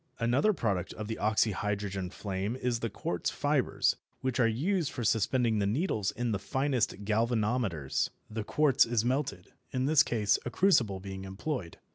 Another product of the oxyhydrogen flame is the quartz fibres which are used for suspending the needles in the finest galvanometers. The quartz is melted, in this case a crucible being employed.